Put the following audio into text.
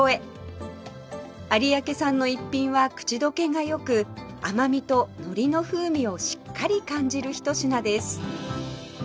有明産の逸品は口どけが良く甘みと海苔の風味をしっかり感じるひと品です